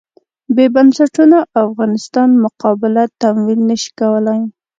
بې بنسټونو افغانستان مقابله تمویل نه شي کولای.